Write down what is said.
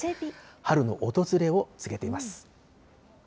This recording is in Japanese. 春の訪れを告げています。